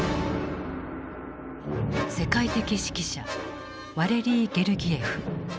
世界的指揮者ワレリー・ゲルギエフ。